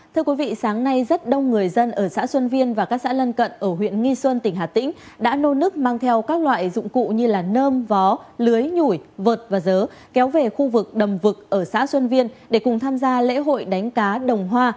thưa quý vị sáng nay rất đông người dân ở xã xuân viên và các xã lân cận ở huyện nghi xuân tỉnh hà tĩnh đã nô nức mang theo các loại dụng cụ như nơm vó lưới nhủi vợt và dớ kéo về khu vực đầm vực ở xã xuân viên để cùng tham gia lễ hội đánh cá đồng hoa